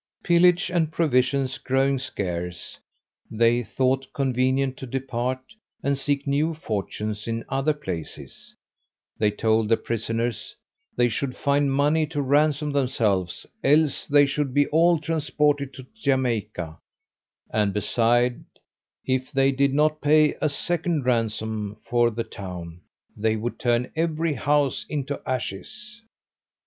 Pillage and provisions growing scarce, they thought convenient to depart and seek new fortunes in other places; they told the prisoners, "they should find money to ransom themselves, else they should be all transported to Jamaica; and beside, if they did not pay a second ransom for the town, they would turn every house into ashes."